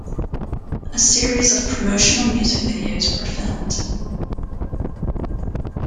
A series of promotional music videos were filmed.